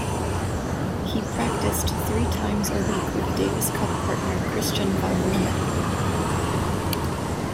He practised three times a week with Davis Cup partner Christiaan van Lennep.